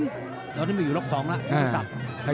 เราที่นี่มันอยู่ล็อกสองแล้วยุทธศักดิ์